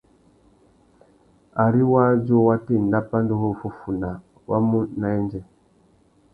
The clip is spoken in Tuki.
Ari wādjú wa tà enda pandúruffúffuna, wá mú nà yêndzê.